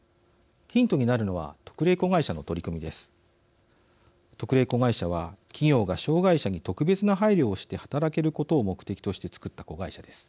ヒントになるのは特例子会社の取り組みです。